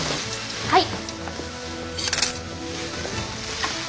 はい。